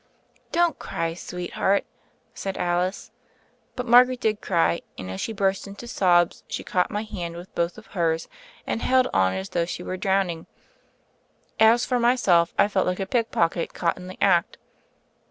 "Don't cry, sweetheart," said Alice. But Margaret did cry, and as she burst into sobs she caught my hand with both of hers and held on as though she were drowning. As for myself, I felt like a pickpocket caught in the act.